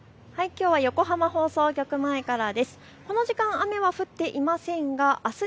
きょうは横浜放送局前からです。